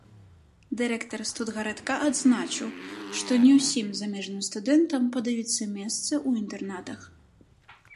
Дырэктар студгарадка адзначыў, што не ўсім замежным студэнтам падаюцца месцы ў інтэрнатах.